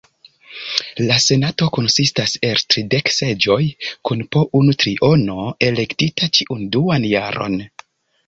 La Senato konsistas el tridek seĝoj, kun po unu triono elektita ĉiun duan jaron.